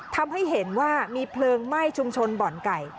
ทำให้เห็นว่ามีเพลิงไหม้ชุมชนบ่อนไก่